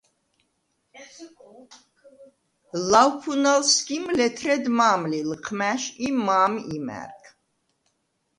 ლავფუნალ სგიმ ლეთრედ მა̄მ ლი ლჷჴმა̈შ ი მა̄მ იმა̈რგ.